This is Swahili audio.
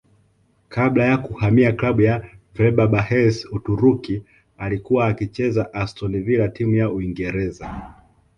kabla ya kuhamia klabu ya Feberbahce Uturuki alikuwa akichezea Aston Villa timu ya Uingereza